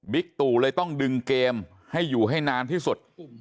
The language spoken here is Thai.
ตู่เลยต้องดึงเกมให้อยู่ให้นานที่สุด